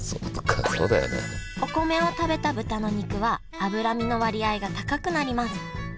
お米を食べた豚の肉は脂身の割合が高くなります。